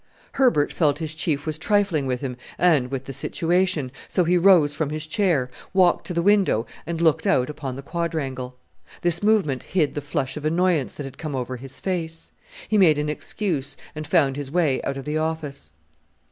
Herbert felt his Chief was trifling with him and with the situation, so he rose from his chair, walked to the window, and looked out upon the quadrangle. This movement hid the flush of annoyance that had come over his face. He made an excuse, and found his way out of the office.